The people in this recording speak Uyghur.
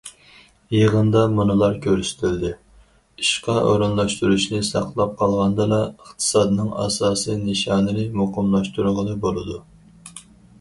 يىغىندا مۇنۇلار كۆرسىتىلدى: ئىشقا ئورۇنلاشتۇرۇشنى ساقلاپ قالغاندىلا، ئىقتىسادنىڭ ئاساسىي نىشانىنى مۇقىملاشتۇرغىلى بولىدۇ.